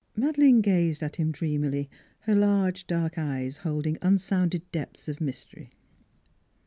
Madeleine gazed at him dreamily, her large dark eyes holding un sounded depths of mystery.